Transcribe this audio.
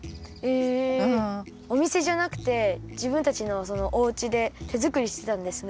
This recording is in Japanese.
えおみせじゃなくてじぶんたちのおうちで手作りしてたんですね。